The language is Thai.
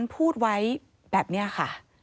พูดไว้แบบนี้ค่ะ